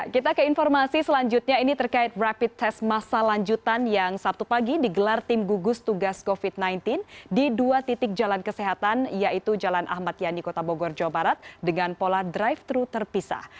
kita ke informasi selanjutnya ini terkait rapid test masa lanjutan yang sabtu pagi digelar tim gugus tugas covid sembilan belas di dua titik jalan kesehatan yaitu jalan ahmad yani kota bogor jawa barat dengan pola drive thru terpisah